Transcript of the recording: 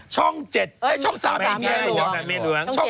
ช่อง๓ไม่ใช่เมียหลวง